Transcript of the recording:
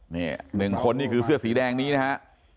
นี่๑คนนี่คือเสื้อสีแดงนี้นะฮะ